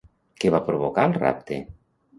Què va provocar el rapte?